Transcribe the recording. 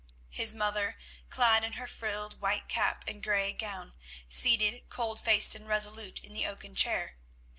His mother, clad in her frilled white cap and grey gown, seated cold faced and resolute in the oaken chair.